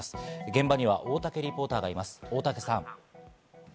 現場には大竹リポーターがいます。